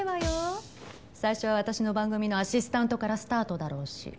最初は私の番組のアシスタントからスタートだろうし。